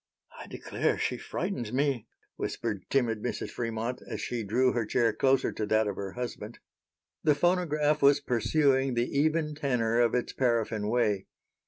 "I declare she frightens me," whispered timid Mrs. Fremont, as she drew her chair closer to that of her husband. The phonograph was pursuing the even tenor of its paraffine way.